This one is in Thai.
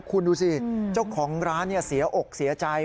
คุณดูสิเจ้าของร้านเสียอกเสียใจ